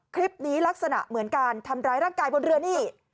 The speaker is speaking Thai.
คลิปนี้ลักษณะเหมือนการทำร้ายร่างกายบนเรือนี่